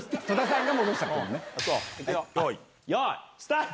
よいスタート！